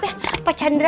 maaf ya pak chandra